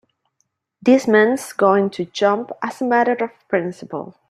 This man's going to jump as a matter of principle.